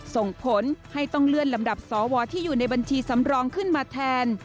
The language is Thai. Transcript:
ส่งผลให้ต้องเลื่อนลำดับสวที่อยู่ในบัญชีสำรองขึ้นมาแทน